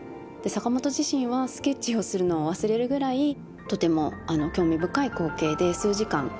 坂本自身はスケッチをするのを忘れるぐらいとても興味深い光景で数時間それを見た。